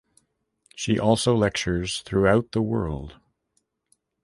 She also lectures throughout the world.